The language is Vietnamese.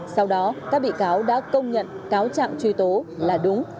sau đó các bị cáo đã công nhận cáo trạng truy tố là đúng